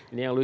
ini yang lucu